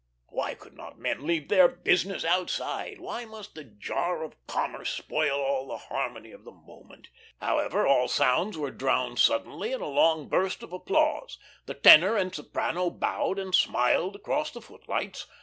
Why could not men leave their business outside, why must the jar of commerce spoil all the harmony of this moment. However, all sounds were drowned suddenly in a long burst of applause. The tenor and soprano bowed and smiled across the footlights.